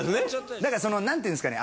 だからそのなんていうんですかね